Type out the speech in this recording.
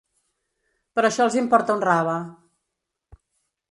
Però això els importa un rave.